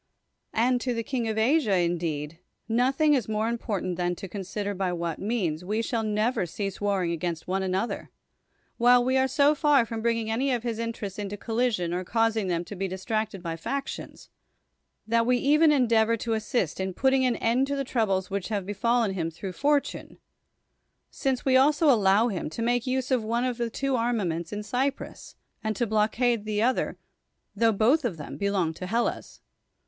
And to the king (of Asia), indeed, in i:i'i"' ''.• more important than to consider by wb.it tiM';i:i: W(e shall never cf^asi^ warring against one jiiiMtii, ;•. while we are so far from bringing any oT c; : 93 THE WORLD'S FAMOUS ORATIONS interests into collision or causing them to be dis tricted by factions, that we even endeavor to assist in putting an end to the troubles which have befallen him through fortune ; since we also allow him to make use of one of the two arma ments in Cyprus, and to blockade the other, tho both of them belong to Hellas.